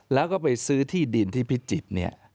แล้วก็ไปซื้อที่ดินที่พิจิตรเนี่ย